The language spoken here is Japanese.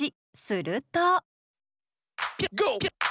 すると。